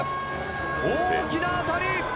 大きな当たり！